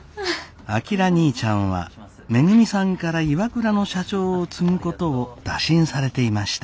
章にいちゃんはめぐみさんからＩＷＡＫＵＲＡの社長を継ぐことを打診されていました。